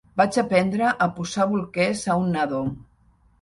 Vaig aprendre a posar bolquers a un nadó.